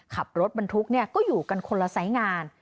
ขับรถบรรทุกก็อยู่กันคนละสายงาน